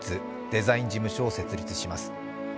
デザイン事務所を設立します。